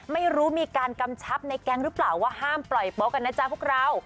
ไม่รู้มีการกำชับในแก๊งหรือเปล่าว่าห้ามปล่อยโป๊ะกันนะจ๊ะพวกเรา